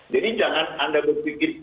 jadi jangan anda berpikir